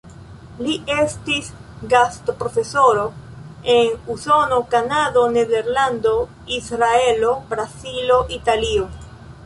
Li estis gastoprofesoro en Usono, Kanado, Nederlando, Izraelo, Brazilo, Italio.